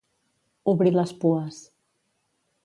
Obrir les pues.